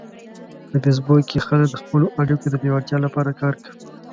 په فېسبوک کې خلک د خپلو اړیکو د پیاوړتیا لپاره کار کوي